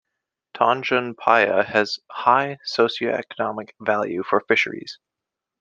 Tanjung Piai has high socio-economic value for fisheries.